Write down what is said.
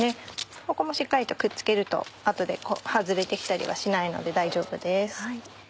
ここもしっかりとくっつけると後で外れて来たりはしないので大丈夫です。